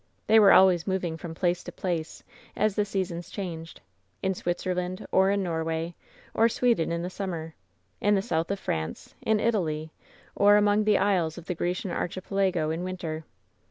"They were always moving from place to place, as the seasons changed — in Switzerland, or in Norway, or Sweden in the summer ; in the south of France, in Italy, or among the isles of the Grecian Archipelago in win ter.